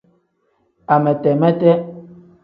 Amete-mete.